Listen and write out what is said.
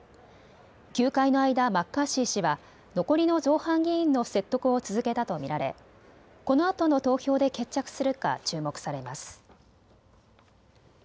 休会の間、マッカーシー氏は残りの造反議員の説得を続けたと見られ、このあとの投票で決着するか注目されます。